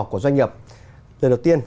của doanh nghiệp lần đầu tiên